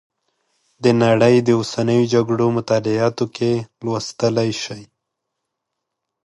د نړۍ د اوسنیو جګړو مطالعاتو کې لوستلی شئ.